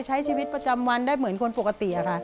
ใช้ชีวิตประจำวันได้เหมือนคนปกติค่ะ